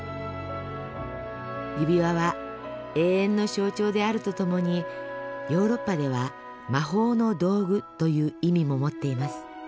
指輪は永遠の象徴であるとともにヨーロッパでは魔法の道具という意味も持っています。